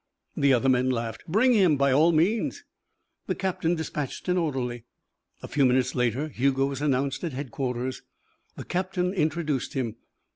The other men laughed. "Bring him, by all means." The captain dispatched an orderly. A few minutes later, Hugo was announced at headquarters. The captain introduced him.